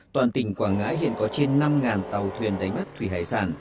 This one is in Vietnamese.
toàn tỉnh quảng ngãi hiện có trên năm tàu thuyền đánh bắt thủy hải sản